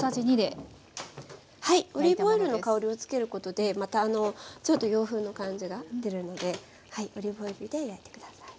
はいオリーブオイルの香りを付けることでまたあのちょっと洋風の感じが出るのでオリーブオイルでやってください。